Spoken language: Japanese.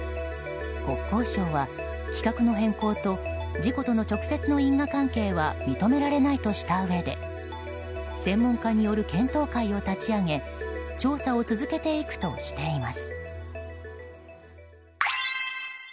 国交省は、規格の変更と事故との直接の因果関係は認められないとしたうえで専門家による検討会を立ち上げ調査を続けていくとしています。